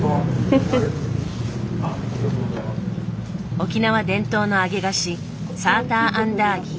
沖縄伝統の揚げ菓子サーターアンダーギー。